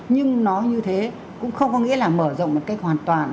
nhưng nó như thế cũng không có nghĩa là mở rộng một cách hoàn toàn